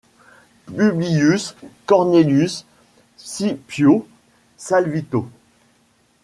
Publius Cornelius Scipio Salvito.